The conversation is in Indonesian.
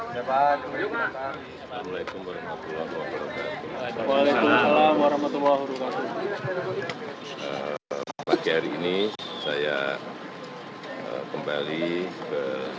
selatan joko widodo